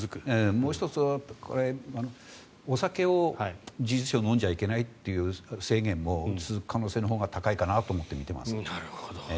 もう１つ、お酒を事実上飲んじゃいけないという制限も、続く可能性のほうが高いなと思って見ています。